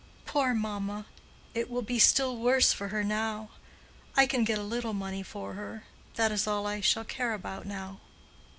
"Poor mamma! it will be still worse for her now. I can get a little money for her—that is all I shall care about now."